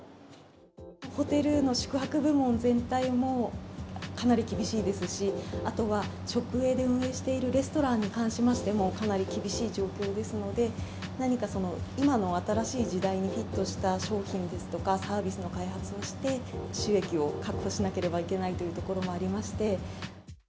ホテルの宿泊部門全体もかなり厳しいですし、あとは直営で運営しているレストランに関しましても、かなり厳しい状況ですので、何かその今の新しい時代にフィットした商品ですとかサービスの開発をして、収益を確保しなければいけないというところもありまして。